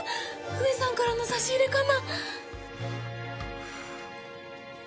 上さんからの差し入れかな？